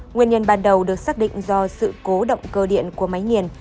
nguyên nhân ban đầu được xác định do sự cố động cơ điện của máy nghiền